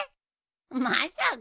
まさか。